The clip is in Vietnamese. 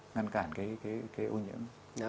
ngăn cản cái ô nhiễm